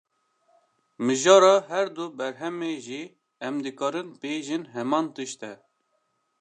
Mijara her du berhemê jî, em dikarin bêjin heman tişt e